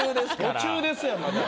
途中ですよまだ。